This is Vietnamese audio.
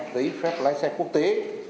giấy phép lái xe quốc tế